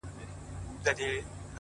o ته ټيک هغه یې خو اروا دي آتشي چیري ده؛